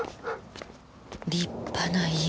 立派な家。